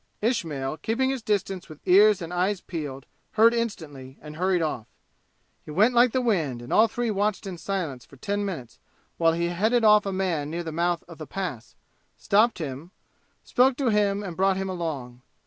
Ismail, keeping his distance with ears and eyes peeled, heard instantly and hurried off. He went like the wind and all three watched in silence for ten minutes while he headed off a man near the mouth of the Pass, stopped him, spoke to him and brought him along.